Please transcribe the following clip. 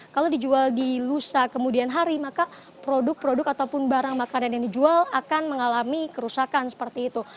kalau dijual di lusa kemudian hari maka produk produk ataupun barang makanan yang dijual akan mengalami kerusakan seperti itu